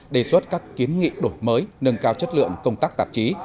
đề xuất các kiến nghị đổi mới nâng cao chất lượng công tác tạp chí